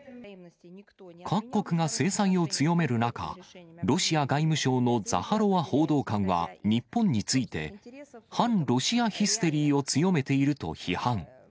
各国が制裁を強める中、ロシア外務省のザハロワ報道官は日本について、反ロシアヒステリーを強めていると批判。